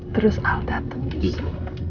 terus al dateng disini